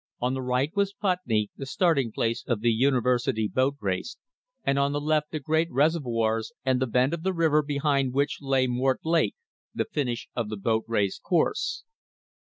On the right was Putney, the starting place of the University Boat Race, and on the left the great reservoirs and the bend of the river behind which lay Mortlake, the finish of the boat race course.